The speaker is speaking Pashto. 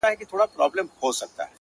زما په غــېږه كــي نــاســور ويـده دی-